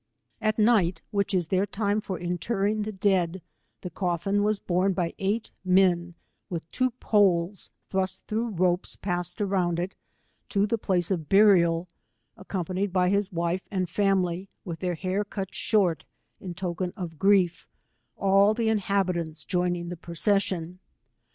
At night, which is their time for ialerriag the dead, the coffin was borne by eight men with two poles, thrust through ropes passed around it, to the place of burial, accompanied by his wife and family, with their hair cut short, in token of ^rief, all the inhabitants joining th« procession.